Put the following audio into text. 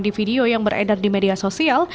di video yang beredar di media sosial